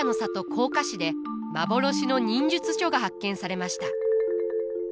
甲賀市で幻の忍術書が発見されました。